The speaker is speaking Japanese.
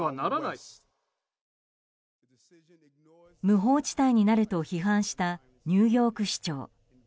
無法地帯になると批判したニューヨーク市長。